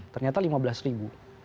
ternyata lima belas ribu